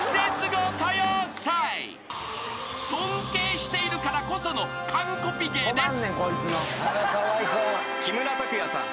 ［尊敬しているからこその完コピ芸です］